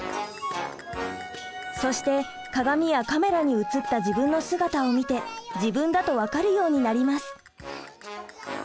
そして鏡やカメラに映った自分の姿を見て自分だと分かるようになります。